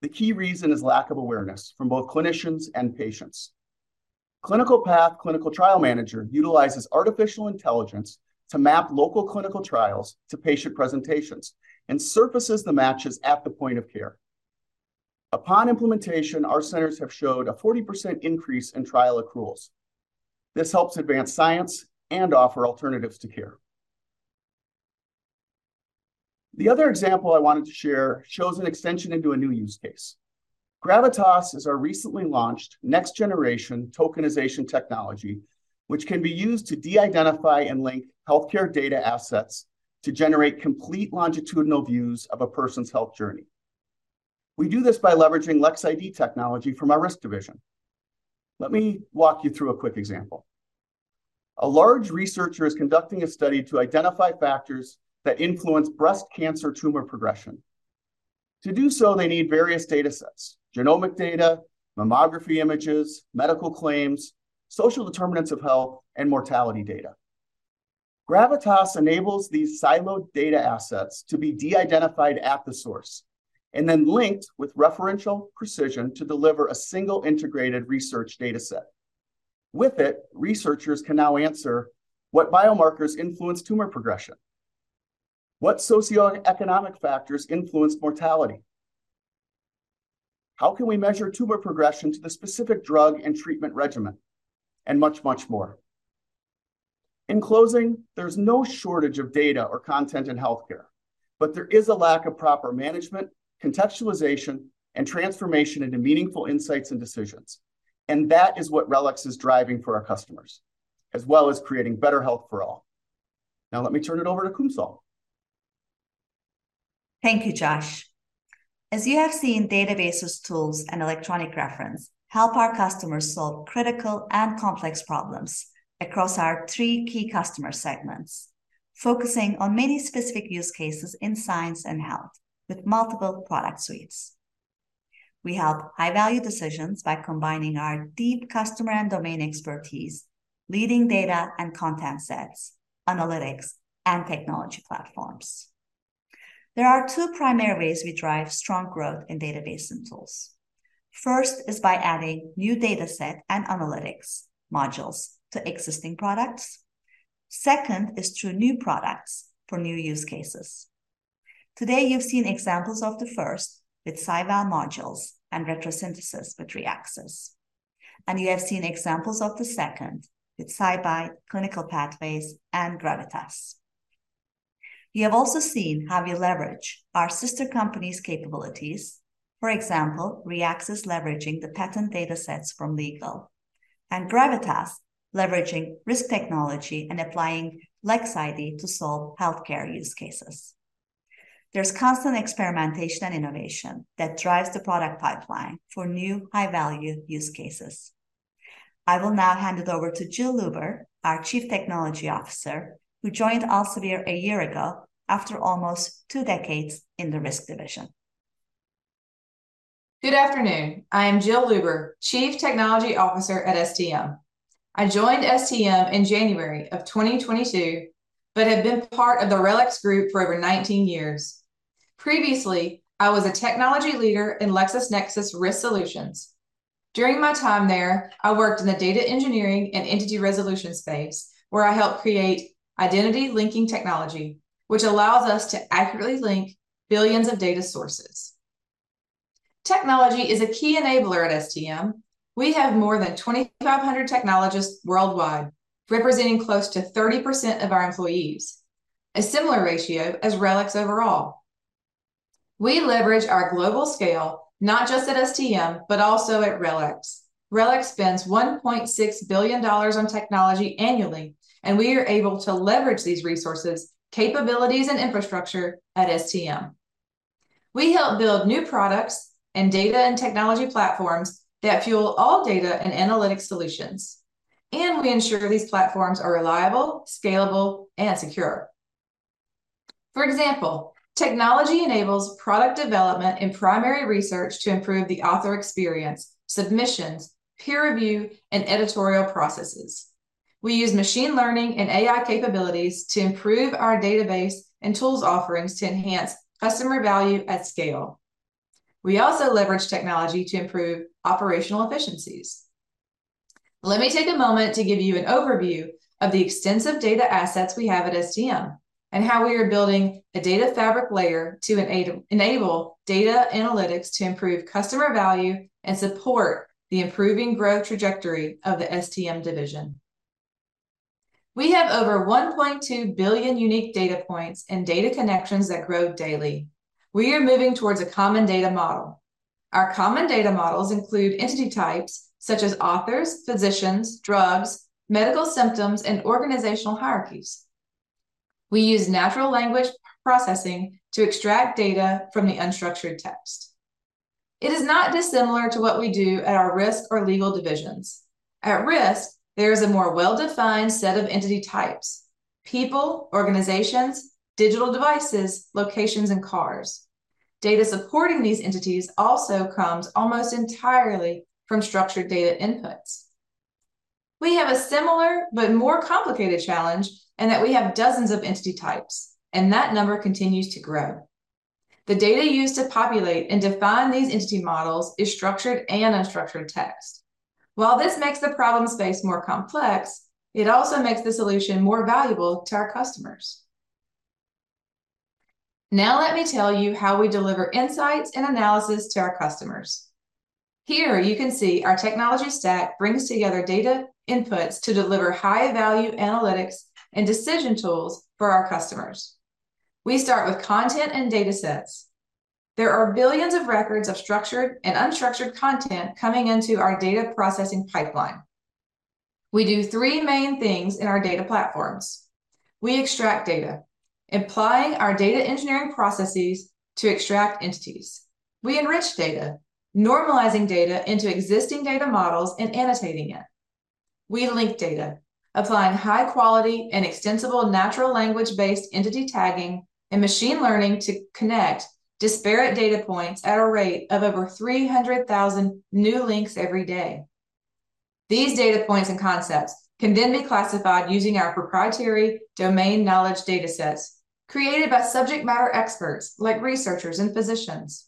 The key reason is lack of awareness from both clinicians and patients. ClinicalPath Clinical Trial Manager utilizes artificial intelligence to map local clinical trials to patient presentations and surfaces the matches at the point of care. Upon implementation, our centers have showed a 40% increase in trial accruals. This helps advance science and offer alternatives to care. The other example I wanted to share shows an extension into a new use case. Gravitas is our recently launched next generation tokenization technology, which can be used to de-identify and link healthcare data assets to generate complete longitudinal views of a person's health journey. We do this by leveraging LexID technology from our risk division. Let me walk you through a quick example. A large researcher is conducting a study to identify factors that influence breast cancer tumor progression. To do so, they need various datasets, genomic data, mammography images, medical claims, social determinants of health, and mortality data. Gravitas enables these siloed data assets to be de-identified at the source and then linked with referential precision to deliver a single integrated research dataset. With it, researchers can now answer what biomarkers influence tumor progression? What socioeconomic factors influence mortality? How can we measure tumor progression to the specific drug and treatment regimen? Much, much more. In closing, there's no shortage of data or content in healthcare, but there is a lack of proper management, contextualization, and transformation into meaningful insights and decisions, and that is what RELX is driving for our customers, as well as creating better health for all. Now let me turn it over to Kumsal. Thank you, Josh. As you have seen, databases, tools, and electronic reference help our customers solve critical and complex problems across our three key customer segments, focusing on many specific use cases in science and health with multiple product suites. We help high value decisions by combining our deep customer and domain expertise, leading data and content sets, analytics, and technology platforms. There are two primary ways we drive strong growth in database and tools. First is by adding new dataset and analytics modules to existing products. Second is through new products for new use cases. Today, you've seen examples of the first with SciVal modules and retrosynthesis with Reaxys. You have seen examples of the second with SciBite, ClinicalPath, and Gravitas. You have also seen how we leverage our sister companies' capabilities. For example, Reaxys leveraging the patent datasets from legal, and Gravitas leveraging risk technology and applying LexID to solve healthcare use cases. There's constant experimentation and innovation that drives the product pipeline for new high value use cases. I will now hand it over to Jill Luber, our Chief Technology Officer, who joined Elsevier a year ago after almost two decades in the risk division. Good afternoon. I am Jill Luber, Chief Technology Officer at STM. I joined STM in January of 2022, but have been part of the RELX group for over 19 years. Previously, I was a technology leader in LexisNexis Risk Solutions. During my time there, I worked in the data engineering and entity resolution space where I helped create identity linking technology, which allows us to accurately link billions of data sources. Technology is a key enabler at STM. We have more than 2,500 technologists worldwide, representing close to 30% of our employees, a similar ratio as RELX overall. We leverage our global scale, not just at STM, but also at RELX. RELX spends $1.6 billion on technology annually, and we are able to leverage these resources, capabilities and infrastructure at STM. We help build new products and data and technology platforms that fuel all data and analytic solutions, and we ensure these platforms are reliable, scalable, and secure. For example, technology enables product development and primary research to improve the author experience, submissions, peer review, and editorial processes. We use machine learning and AI capabilities to improve our database and tools offerings to enhance customer value at scale. We also leverage technology to improve operational efficiencies. Let me take a moment to give you an overview of the extensive data assets we have at STM and how we are building a data fabric layer to enable data analytics to improve customer value and support the improving growth trajectory of the STM division. We have over 1.2 billion unique data points and data connections that grow daily. We are moving towards a common data model. Our common data models include entity types such as authors, physicians, drugs, medical symptoms, and organizational hierarchies. We use natural language processing to extract data from the unstructured text. It is not dissimilar to what we do at our risk or legal divisions. At risk, there is a more well-defined set of entity types: people, organizations, digital devices, locations, and cars. Data supporting these entities also comes almost entirely from structured data inputs. We have a similar but more complicated challenge in that we have dozens of entity types, and that number continues to grow. The data used to populate and define these entity models is structured and unstructured text. While this makes the problem space more complex, it also makes the solution more valuable to our customers. Now let me tell you how we deliver insights and analysis to our customers. Here, you can see our technology stack brings together data inputs to deliver high-value analytics and decision tools for our customers. We start with content and data sets. There are billions of records of structured and unstructured content coming into our data processing pipeline. We do three main things in our data platforms. We extract data, implying our data engineering processes to extract entities. We enrich data, normalizing data into existing data models and annotating it. We link data, applying high quality and extensible natural language-based entity tagging and machine learning to connect disparate data points at a rate of over 300,000 new links every day. These data points and concepts can then be classified using our proprietary domain knowledge data sets created by subject matter experts, like researchers and physicians.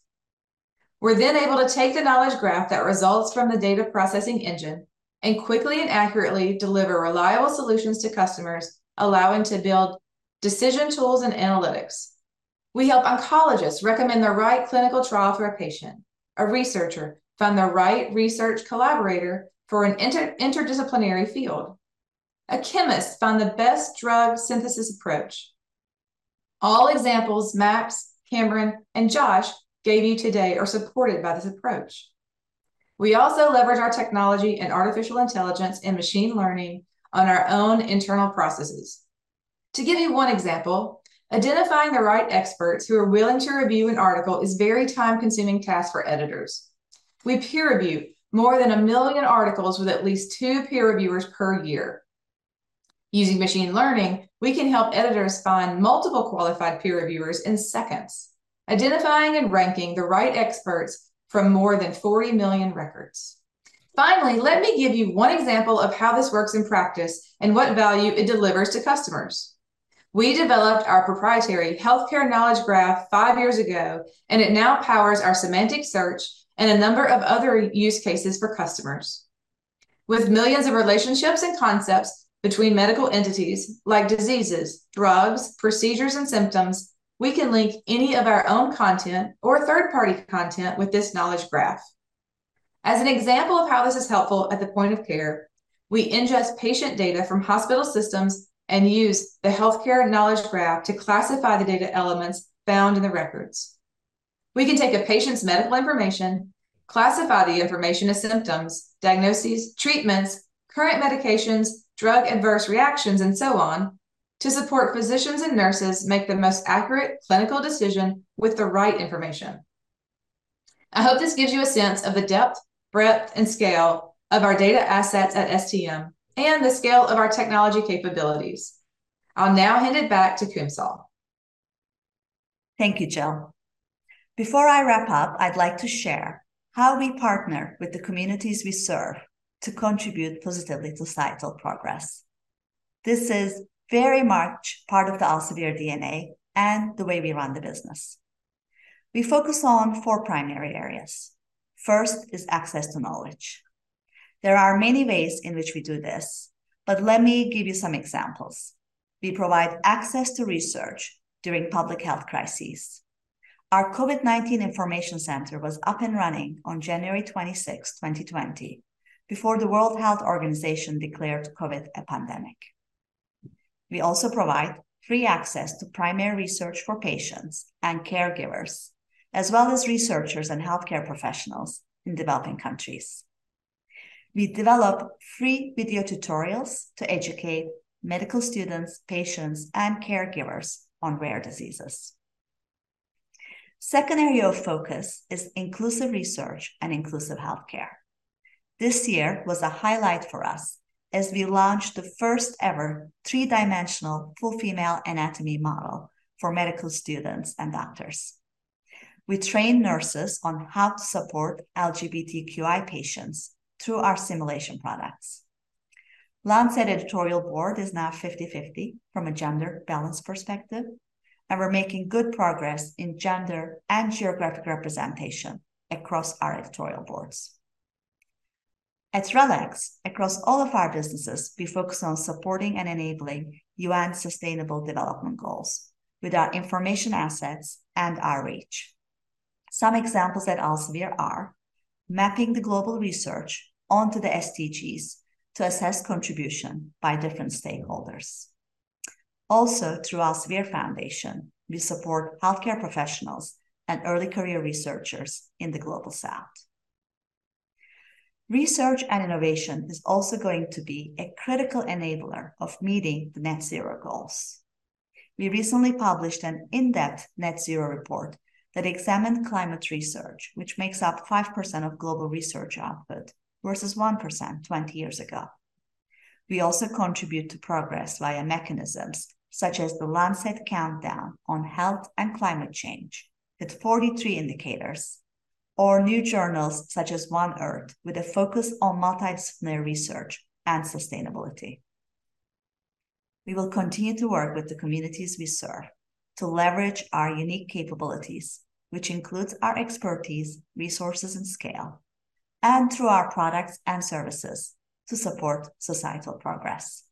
We're then able to take the knowledge graph that results from the data processing engine and quickly and accurately deliver reliable solutions to customers, allowing to build decision tools and analytics. We help oncologists recommend the right clinical trial for a patient, a researcher find the right research collaborator for an interdisciplinary field, a chemist find the best drug synthesis approach. All examples Max, Cameron, and Josh gave you today are supported by this approach. We also leverage our technology and artificial intelligence and machine learning on our own internal processes. To give you one example, identifying the right experts who are willing to review an article is a very time-consuming task for editors. We peer review more than 1 million articles with at least two peer reviewers per year. Using machine learning, we can help editors find multiple qualified peer reviewers in seconds, identifying and ranking the right experts from more than 40 million records. Finally, let me give you one example of how this works in practice and what value it delivers to customers. We developed our proprietary healthcare knowledge graph five years ago, and it now powers our semantic search and a number of other use cases for customers. With millions of relationships and concepts between medical entities like diseases, drugs, procedures, and symptoms, we can link any of our own content or third-party content with this knowledge graph. As an example of how this is helpful at the point of care, we ingest patient data from hospital systems and use the healthcare knowledge graph to classify the data elements found in the records. We can take a patient's medical information, classify the information as symptoms, diagnoses, treatments, current medications, drug adverse reactions, and so on to support physicians and nurses make the most accurate clinical decision with the right information. I hope this gives you a sense of the depth, breadth, and scale of our data assets at STM and the scale of our technology capabilities. I'll now hand it back to Kumsal. Thank you, Jill. Before I wrap up, I'd like to share how we partner with the communities we serve to contribute positively to societal progress. This is very much part of the Elsevier DNA and the way we run the business. We focus on four primary areas. First is access to knowledge. There are many ways in which we do this, but let me give you some examples. We provide access to research during public health crises. Our COVID-19 information center was up and running on January 26th, 2020, before the World Health Organization declared COVID-19 a pandemic. We also provide free access to primary research for patients and caregivers, as well as researchers and healthcare professionals in developing countries. We develop free video tutorials to educate medical students, patients, and caregivers on rare diseases. Second area of focus is inclusive research and inclusive healthcare. This year was a highlight for us as we launched the first ever three-dimensional full female anatomy model for medical students and doctors. We train nurses on how to support LGBTQI patients through our simulation products. Lancet editorial board is now 50/50 from a gender balance perspective, and we're making good progress in gender and geographic representation across our editorial boards. At RELX, across all of our businesses, we focus on supporting and enabling UN Sustainable Development Goals with our information assets and our reach. Some examples at Elsevier are mapping the global research onto the SDGs to assess contribution by different stakeholders. Also, through Elsevier Foundation, we support healthcare professionals and early career researchers in the Global South. Research and innovation is also going to be a critical enabler of meeting the net zero goals. We recently published an in-depth net zero report that examined climate research, which makes up 5% of global research output versus 1% 20 years ago. We also contribute to progress via mechanisms such as The Lancet Countdown on health and climate change with 43 indicators, or new journals such as One Earth with a focus on multidisciplinary research and sustainability. We will continue to work with the communities we serve to leverage our unique capabilities, which includes our expertise, resources, and scale, and through our products and services to support societal progress.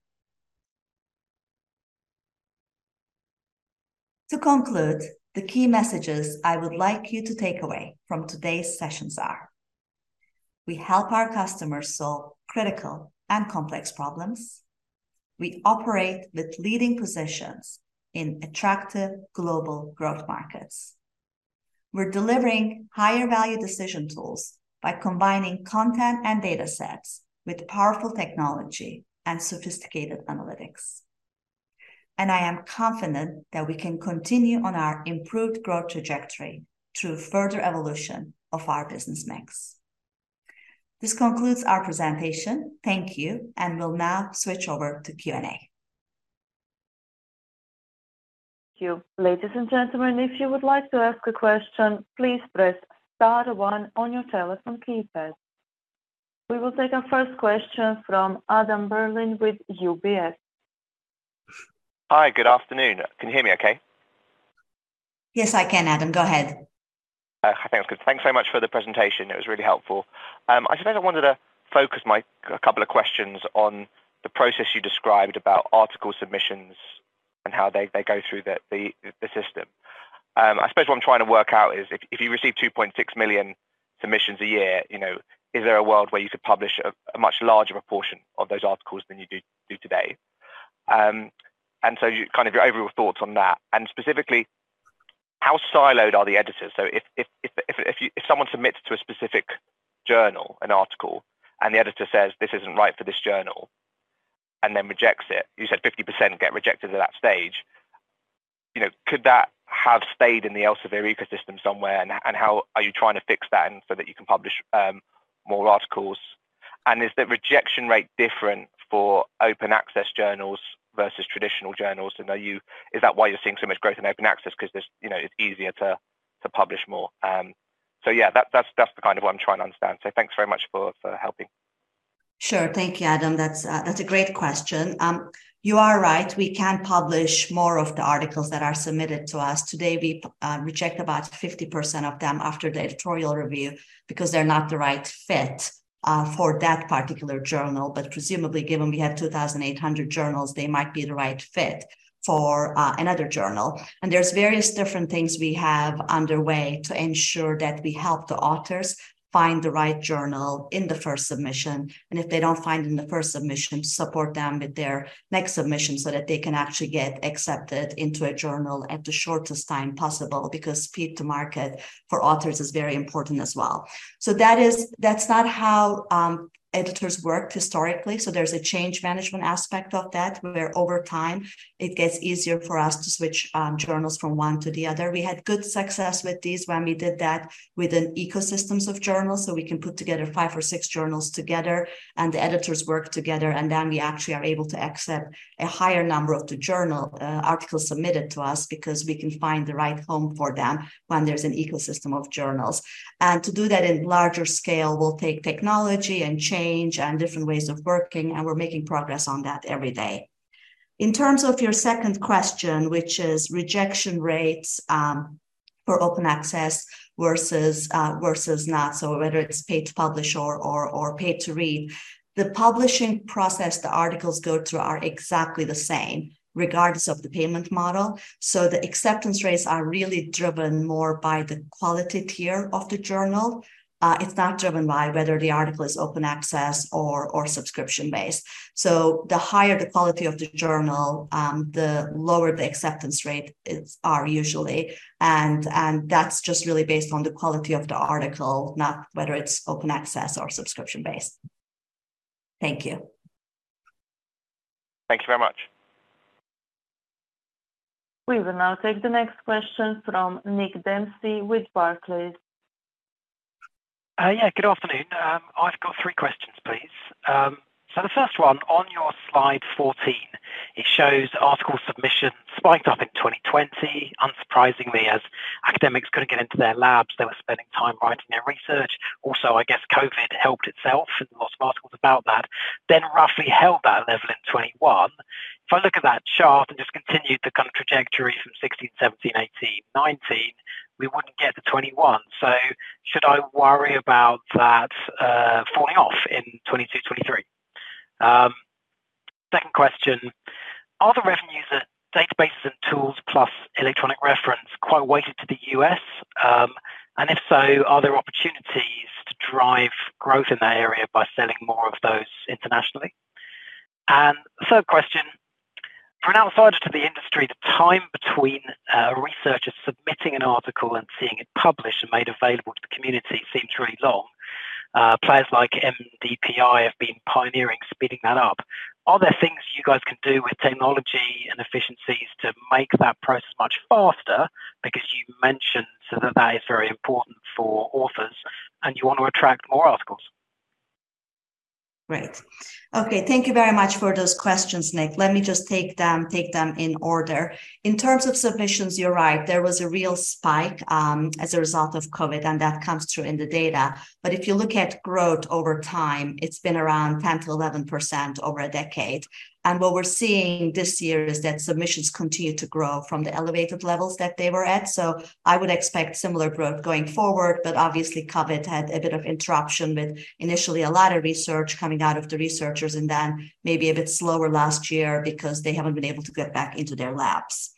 To conclude, the key messages I would like you to take away from today's sessions are, we help our customers solve critical and complex problems. We operate with leading positions in attractive global growth markets. We're delivering higher value decision tools by combining content and datasets with powerful technology and sophisticated analytics. I am confident that we can continue on our improved growth trajectory through further evolution of our business mix. This concludes our presentation. Thank you, and we'll now switch over to Q&A. Thank you. Ladies and gentlemen, if you would like to ask a question, please press star one on your telephone keypad. We will take our first question from Adam Berlin with UBS. Hi. Good afternoon. Can you hear me okay? Yes, I can, Adam. Go ahead. I think it's good. Thanks very much for the presentation. It was really helpful. I suppose I wanted to focus my, a couple of questions on the process you described about article submissions and how they go through the system. I suppose what I'm trying to work out is if you receive 2.6 million submissions a year, you know, is there a world where you could publish a much larger proportion of those articles than you do today? You kind of your overall thoughts on that, and specifically, how siloed are the editors? If someone submits to a specific journal, an article, and the editor says, "This isn't right for this journal," and then rejects it, you said 50% get rejected at that stage. You know, could that have stayed in the Elsevier ecosystem somewhere? How are you trying to fix that so that you can publish more articles? Is the rejection rate different for open access journals versus traditional journals? Is that why you're seeing so much growth in open access because there's, you know, it's easier to publish more? Yeah, that's the kind of what I'm trying to understand. Thanks very much for helping. Sure. Thank you, Adam. That's that's a great question. You are right. We can publish more of the articles that are submitted to us. Today, we reject about 50% of them after the editorial review because they're not the right fit for that particular journal. Presumably, given we have 2,800 journals, they might be the right fit for another journal. There's various different things we have underway to ensure that we help the authors find the right journal in the first submission, and if they don't find in the first submission, support them with their next submission so that they can actually get accepted into a journal at the shortest time possible because speed to market for authors is very important as well. That's not how editors worked historically, so there's a change management aspect of that, where over time it gets easier for us to switch journals from one to the other. We had good success with this when we did that with an ecosystem of journals, so we can put together five or six journals together, and the editors work together, and then we actually are able to accept a higher number of journal articles submitted to us because we can find the right home for them when there's an ecosystem of journals. To do that on a larger scale will take technology and change and different ways of working, and we're making progress on that every day. In terms of your second question, which is rejection rates, for open access versus not, so whether it's pay to publish or pay to read, the publishing process the articles go through are exactly the same regardless of the payment model. The acceptance rates are really driven more by the quality tier of the journal. It's not driven by whether the article is open access or subscription-based. The higher the quality of the journal, the lower the acceptance rate are usually, and that's just really based on the quality of the article, not whether it's open access or subscription-based. Thank you. Thank you very much. We will now take the next question from Nick Dempsey with Barclays. Yeah, good afternoon. I've got three questions, please. The first one, on your slide 14, it shows article submissions spiked up in 2020, unsurprisingly, as academics couldn't get into their labs, they were spending time writing their research. Also, I guess COVID helped itself with lots of articles about that. Then roughly held that level in 2021. If I look at that chart and just continued the kind of trajectory from 2016, 2017, 2018, 2019, we wouldn't get to 2021. Should I worry about that falling off in 2022, 2023? Second question, are the revenues that databases and tools plus electronic reference quite weighted to the U.S.? And if so, are there opportunities to drive growth in that area by selling more of those internationally? Third question, for an outsider to the industry, the time between researchers submitting an article and seeing it published and made available to the community seems really long. Players like MDPI have been pioneering speeding that up. Are there things you guys can do with technology and efficiencies to make that process much faster? Because you mentioned that that is very important for authors, and you want to attract more articles. Great. Okay, thank you very much for those questions, Nick. Let me just take them in order. In terms of submissions, you're right. There was a real spike as a result of COVID, and that comes through in the data. If you look at growth over time, it's been around 10%-11% over a decade. What we're seeing this year is that submissions continue to grow from the elevated levels that they were at. I would expect similar growth going forward, but obviously COVID had a bit of interruption with initially a lot of research coming out of the researchers and then maybe a bit slower last year because they haven't been able to get back into their labs.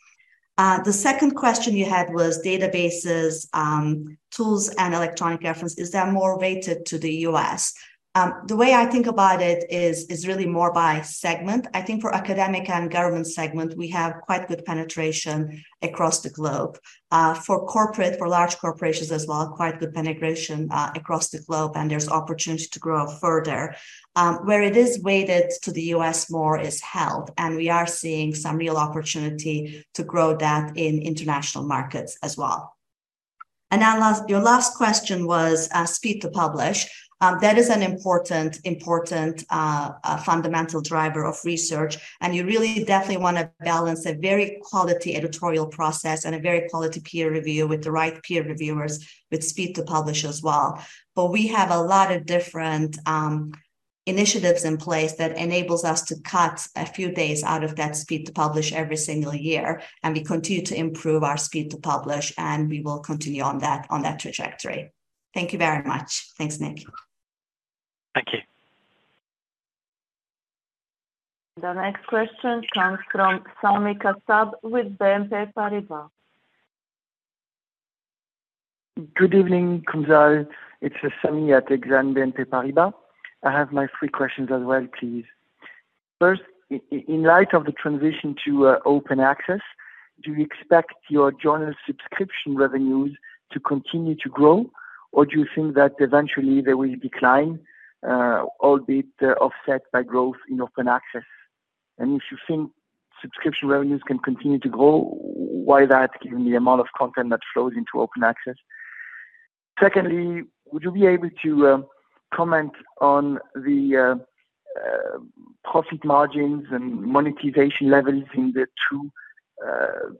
The second question you had was databases, tools, and electronic reference. Is that more weighted to the U.S.? The way I think about it is really more by segment. I think for academic and government segment, we have quite good penetration across the globe. For corporate, for large corporations as well, quite good penetration across the globe, and there's opportunity to grow further. Where it is weighted to the U.S. more is health, and we are seeing some real opportunity to grow that in international markets as well. Your last question was speed to publish. That is an important fundamental driver of research. You really definitely wanna balance a very quality editorial process and a very quality peer review with the right peer reviewers with speed to publish as well. We have a lot of different initiatives in place that enables us to cut a few days out of that speed to publish every single year, and we continue to improve our speed to publish, and we will continue on that trajectory. Thank you very much. Thanks, Nick. Thank you. The next question comes from Sami Kassab with BNP Paribas. Good evening, Kumsal. It's Sami at Exane BNP Paribas. I have my three questions as well, please. First, in light of the transition to open access, do you expect your journal subscription revenues to continue to grow, or do you think that eventually they will decline, albeit offset by growth in open access? If you think subscription revenues can continue to grow, why that, given the amount of content that flows into open access? Secondly, would you be able to comment on the profit margins and monetization levels in the two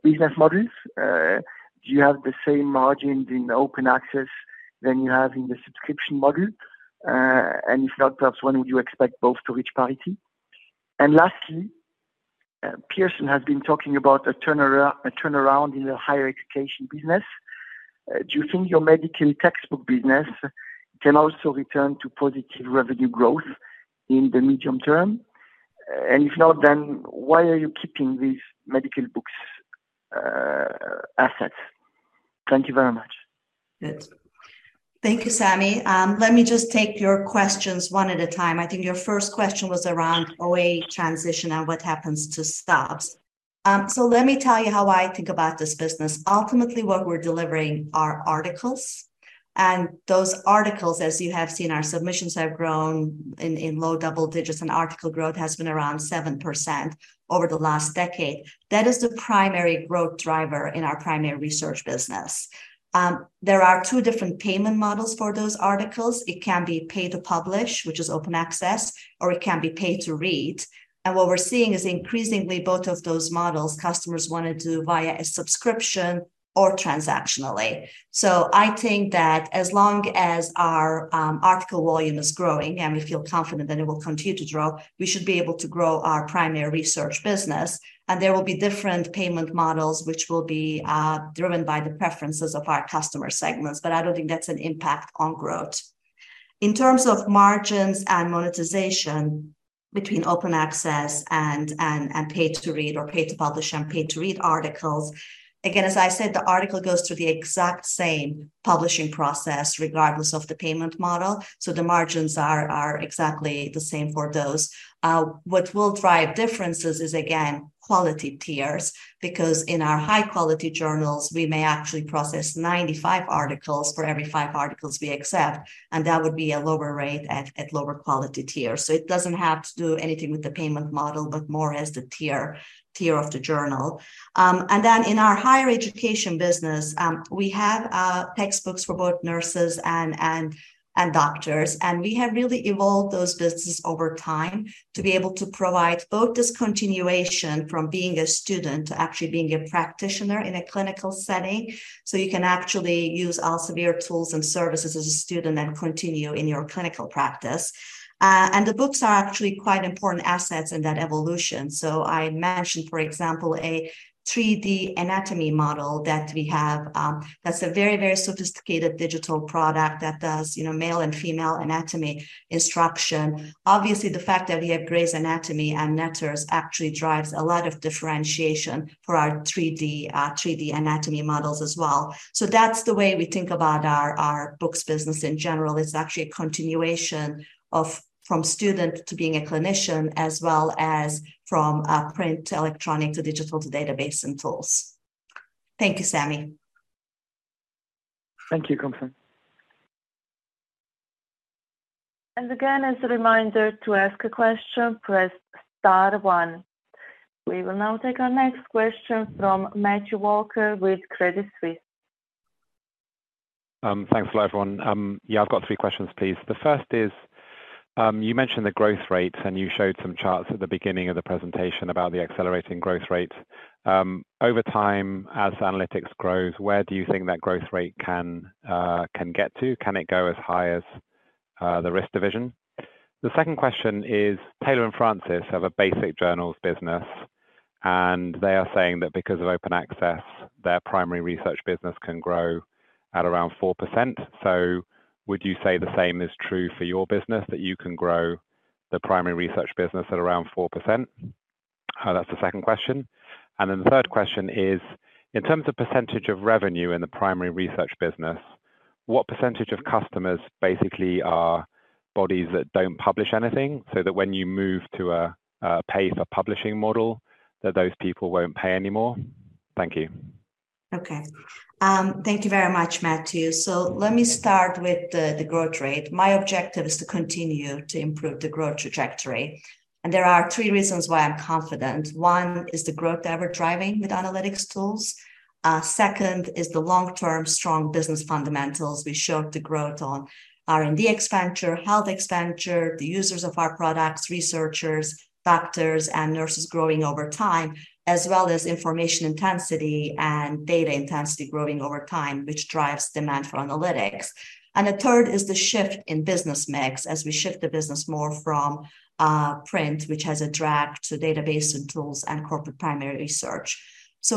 business models? Do you have the same margins in open access than you have in the subscription model? And if not, perhaps when would you expect both to reach parity? Lastly, Pearson has been talking about a turnaround in the higher education business. Do you think your medical textbook business can also return to positive revenue growth in the medium term? If not, why are you keeping these medical books, assets? Thank you very much. Yes. Thank you, Sami. Let me just take your questions one at a time. I think your first question was around OA transition and what happens to subs. Let me tell you how I think about this business. Ultimately, what we're delivering are articles. And those articles, as you have seen, our submissions have grown in low double digits, and article growth has been around 7% over the last decade. That is the primary growth driver in our primary research business. There are two different payment models for those articles. It can be pay to publish, which is open access, or it can be pay to read. What we're seeing is increasingly both of those models, customers wanna do via a subscription or transactionally. I think that as long as our article volume is growing, and we feel confident that it will continue to grow, we should be able to grow our primary research business. There will be different payment models which will be driven by the preferences of our customer segments, but I don't think that's an impact on growth. In terms of margins and monetization between open access and pay-to-read or pay-to-publish and pay-to-read articles. Again, as I said, the article goes through the exact same publishing process regardless of the payment model, so the margins are exactly the same for those. What will drive differences is, again, quality tiers because in our high quality journals, we may actually process 95 articles for every five articles we accept, and that would be a lower rate at lower quality tiers. It doesn't have to do anything with the payment model, but more as the tier of the journal. Then in our higher education business, we have textbooks for both nurses and doctors. We have really evolved those businesses over time to be able to provide continuation from being a student to actually being a practitioner in a clinical setting, so you can actually use Elsevier tools and services as a student, then continue in your clinical practice. The books are actually quite important assets in that evolution. I mentioned, for example, a 3D anatomy model that we have, that's a very sophisticated digital product that does male and female anatomy instruction. Obviously, the fact that we have Gray's Anatomy and Netter's actually drives a lot of differentiation for our 3D anatomy models as well. That's the way we think about our books business in general is actually a continuation of from student to being a clinician, as well as from print to electronic to digital to database and tools. Thank you, Sami. Thank you, Kumsal. Again, as a reminder, to ask a question, press star one. We will now take our next question from Matthew Walker with Credit Suisse. Thanks. Hello, everyone. I've got three questions, please. The first is, you mentioned the growth rates, and you showed some charts at the beginning of the presentation about the accelerating growth rates. Over time, as analytics grows, where do you think that growth rate can get to? Can it go as high as the risk division? The second question is, Taylor & Francis have a basic journals business, and they are saying that because of open access, their primary research business can grow at around 4%. Would you say the same is true for your business, that you can grow the primary research business at around 4%? That's the second question. The third question is, in terms of percentage of revenue in the primary research business, what percentage of customers basically are bodies that don't publish anything, so that when you move to a pay-for-publishing model, that those people won't pay anymore? Thank you. Okay. Thank you very much, Matthew. Let me start with the growth rate. My objective is to continue to improve the growth trajectory, and there are three reasons why I'm confident. One is the growth that we're driving with analytics tools. Second is the long-term strong business fundamentals. We showed the growth on R&D expenditure, health expenditure, the users of our products, researchers, doctors, and nurses growing over time, as well as information intensity and data intensity growing over time, which drives demand for analytics. The third is the shift in business mix as we shift the business more from print, which has a drag, to database and tools and corporate primary research.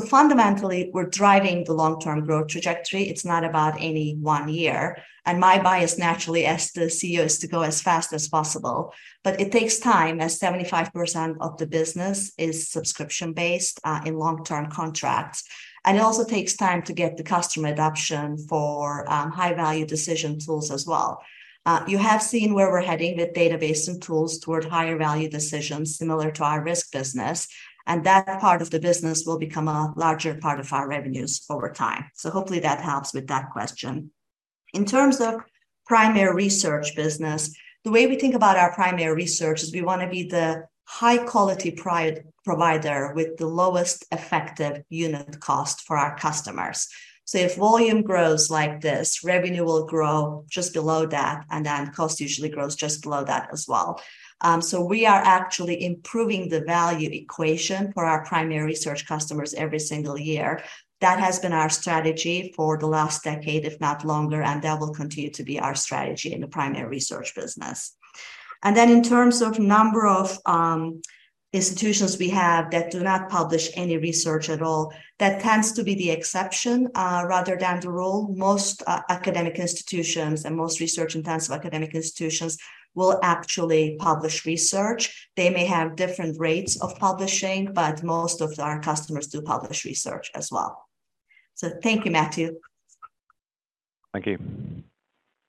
Fundamentally, we're driving the long-term growth trajectory. It's not about any one year. My bias, naturally, as the CEO, is to go as fast as possible. It takes time, as 75% of the business is subscription-based, in long-term contracts. It also takes time to get the customer adoption for high-value decision tools as well. You have seen where we're heading with database and tools toward higher value decisions similar to our risk business, and that part of the business will become a larger part of our revenues over time. Hopefully that helps with that question. In terms of primary research business, the way we think about our primary research is we wanna be the high-quality provider with the lowest effective unit cost for our customers. If volume grows like this, revenue will grow just below that, and then cost usually grows just below that as well. We are actually improving the value equation for our primary research customers every single year. That has been our strategy for the last decade, if not longer, and that will continue to be our strategy in the primary research business. Then in terms of number of institutions we have that do not publish any research at all, that tends to be the exception rather than the rule. Most academic institutions and most research-intensive academic institutions will actually publish research. They may have different rates of publishing, but most of our customers do publish research as well. Thank you, Matthew. Thank you.